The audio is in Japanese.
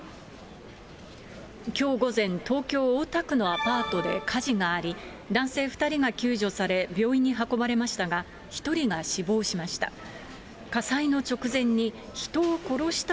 きょう午前、東京・大田区のアパートで火事があり、男性２人が救助され、病院に運ばれましたが、１人が死亡しました。